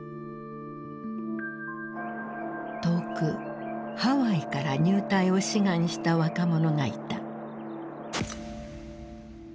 遠くハワイから入隊を志願した若者がいた。